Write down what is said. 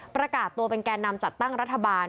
ประกาศตัวเป็นแก่นำจัดตั้งรัฐบาล